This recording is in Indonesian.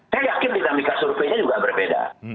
saya yakin dinamika surveinya juga berbeda